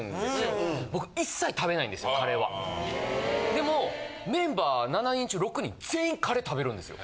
でもメンバー７人中６人全員カレー食べるんですよ。